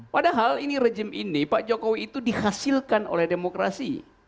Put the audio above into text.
padahal ini rejim ini pak jokowi itu dihasilkan oleh demokrasi